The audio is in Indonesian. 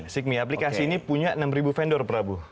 sikmi aplikasi ini punya enam ribu vendor prabu